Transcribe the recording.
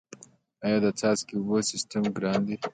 آیا د څاڅکي اوبو سیستم ګران دی؟